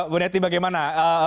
bu neti bagaimana